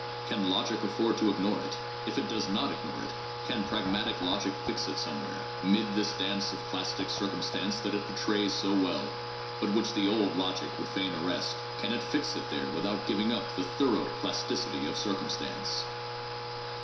Can logic afford to ignore it? If it does not ignore it, can pragmatic logic fix it somewhere, mid this dance of plastic circumstance which it portrays so well, but which the old logic would fain arrest; can it fix it there without giving up the thorough plasticity of circumstance?